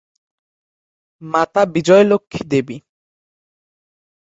মাতা বিজয়লক্ষ্মী দেবী।